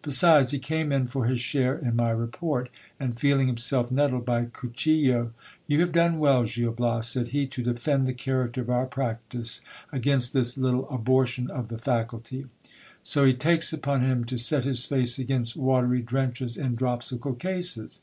Besides, he came in for his share in my report ; and feeling himself nettled by Cuchillo — You have done well, Gil Bias, said he, to defend THE EXCELLENCE OF WATER. the character of our practice against this little abortion of the faculty. So he takes upon him to set his face against watery drenches in dropsical cases